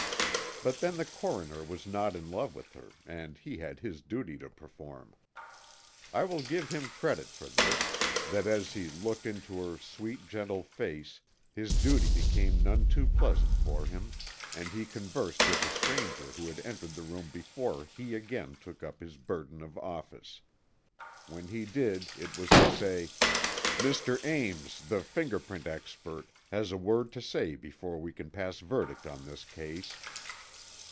But then the coroner was not in love with her, and he had his duty to perform. I will give him credit for this, that as he looked into her sweet, gentle face his duty became none too pleasant for him and he conversed with a stranger who had entered the room before he again took up his burden of office. When he did it was to say: "Mr. Ames, the finger print expert, has a word to say before we can pass verdict on this case."